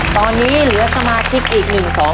ตอนนี้เหลือสมาชิกอีก๑๒๓๔